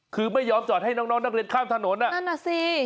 คือไม่ยอมจอดให้น้องนักเรียนข้ามถนนอ่ะนั่นน่ะสิ